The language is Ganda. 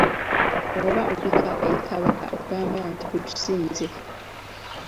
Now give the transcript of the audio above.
Bw'oba obika eri Kabaka ogamba nti gutusinze.